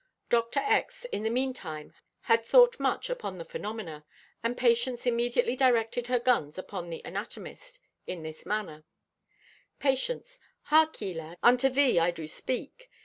Dr. X. in the meantime had thought much upon the phenomena, and Patience immediately directed her guns upon the anatomist, in this manner: Patience.—"Hark ye, lad, unto thee I do speak.